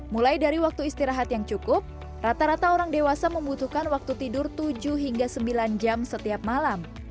mulai dari waktu istirahat yang cukup rata rata orang dewasa membutuhkan waktu tidur tujuh hingga sembilan jam setiap malam